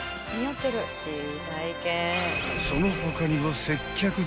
［その他にも］